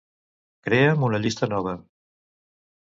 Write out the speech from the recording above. Crea'm una llista nova.